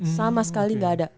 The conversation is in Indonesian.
sama sekali gak ada